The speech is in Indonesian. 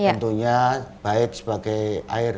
tentunya baik sebagai air